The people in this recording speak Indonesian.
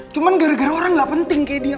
cuma gara gara orang gak penting kayak dia